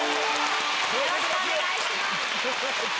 よろしくお願いします。